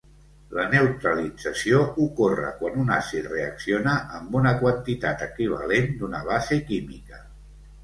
La neutralització ocorre quan un àcid reacciona amb una quantitat equivalent d'una base química.